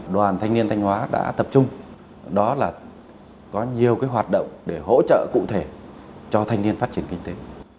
đoàn thanh niên thanh hóa đã tập trung đó là có nhiều hoạt động để hỗ trợ cụ thể cho thanh niên phát triển kinh tế